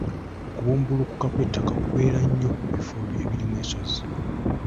Okubumbulukuka kw'ettaka kubeera nnyo mu bifo ebirimu ensozi.